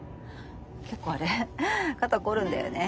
結構あれ肩凝るんだよね。